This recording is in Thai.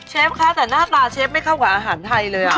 คะแต่หน้าตาเชฟไม่เข้ากับอาหารไทยเลย